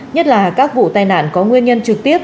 nhất là các vụ tai nạn có nguyên nhân trực tiếp